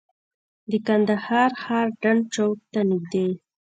د کندهار ښار ډنډ چوک ته نږدې.